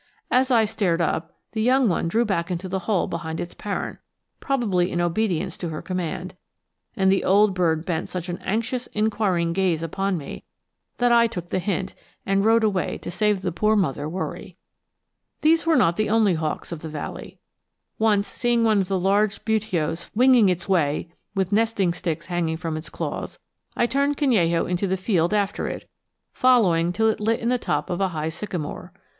As I stared up, the young one drew back into the hole behind its parent, probably in obedience to her command; and the old bird bent such an anxious inquiring gaze upon me that I took the hint and rode away to save the poor mother worry. These were not the only hawks of the valley. Once, seeing one of the large Buteos winging its way with nesting sticks hanging from its claws, I turned Canello into the field after it, following till it lit in the top of a high sycamore.